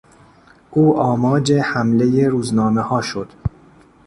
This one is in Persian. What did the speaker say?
او آماج حملهی روزنامهها شد.